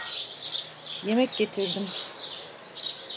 Yemek getirdim.